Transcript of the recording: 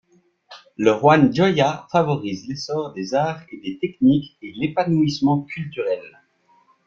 Le roi Njoya favorise l’essor des arts et des techniques et l’épanouissement culturel.